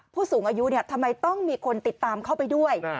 ผู้สูงอายุทำไมต้องมีคนติดตามเข้าไปด้วย